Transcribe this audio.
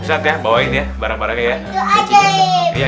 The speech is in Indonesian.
ustadz ya bawa ini ya barang barangnya ya